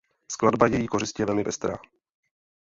Skladba její kořisti je velmi pestrá.